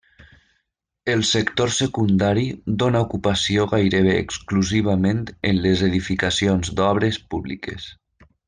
El sector secundari dóna ocupació gairebé exclusivament en les edificacions d'obres públiques.